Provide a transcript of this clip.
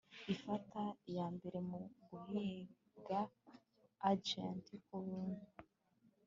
ifata iyambere muguhiga agent kubuntu